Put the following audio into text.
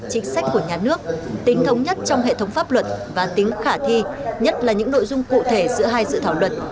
chính sách của nhà nước tính thống nhất trong hệ thống pháp luật và tính khả thi nhất là những nội dung cụ thể giữa hai dự thảo luật